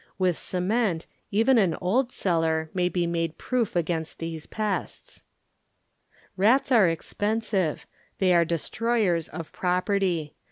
With cement even an old cellar may be made proof against these Rats are expensive, they are destroy ers of property.